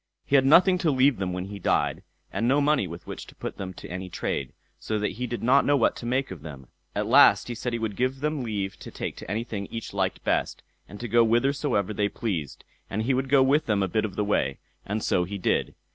He had nothing to leave them when he died, and no money with which to put them to any trade, so that he did not know what to make of them. At last he said he would give them leave to take to anything each liked best, and to go whithersoever they pleased, and he would go with them a bit of the way; and so he did.